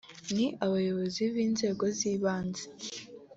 n’abayobozi b’inzego z’ibanze